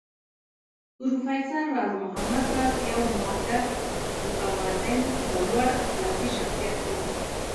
پروفېسر راز محمد راز يو مودب، متوازن او لوړ اخلاقي شخصيت و